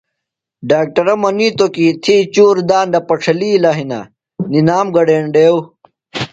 ڈاکٹرہ منِیتوۡ کیۡ تھی چُور داندہ پڇھَلِیلہ ہِنہ نِنام گڈینڈیوۡ۔